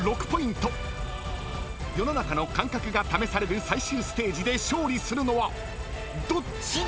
［世の中の感覚が試される最終ステージで勝利するのはどっちだ⁉］